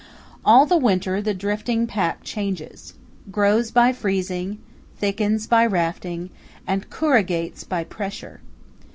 All the winter the drifting pack changes—grows by freezing, thickens by rafting, and corrugates by pressure.